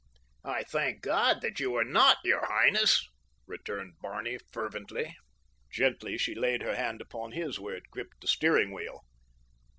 "I thank God that you are not, your highness," returned Barney fervently. Gently she laid her hand upon his where it gripped the steering wheel.